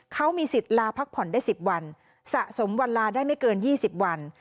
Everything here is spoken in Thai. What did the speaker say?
เขามีสิทธิ์ลาพักผ่อนได้๑๐วันสะสมวันลาได้ไม่เกิน๒๐วัน